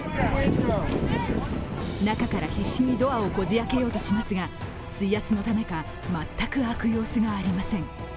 中から必死にドアをこじ開けようとしますが、水圧のためか、全く開く様子がありません。